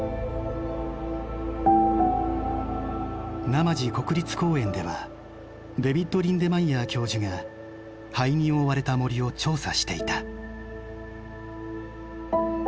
ナマジ国立公園ではデヴィッド・リンデマイヤー教授が灰に覆われた森を調査していた。